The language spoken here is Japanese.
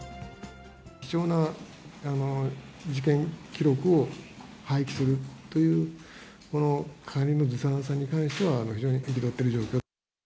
貴重な事件記録を廃棄するという、この管理のずさんさに関しては、非常に憤っている状況。